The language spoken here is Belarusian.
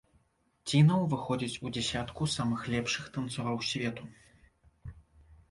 Ціна ўваходзіць у дзясятку самых лепшых танцораў свету.